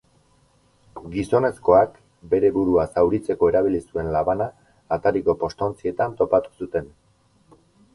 Gizonezkoak bere burua zauritzeko erabili zuen labana atariko postontzietan topatu zuten.